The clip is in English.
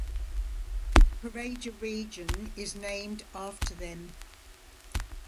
The Caraga Region is named after them.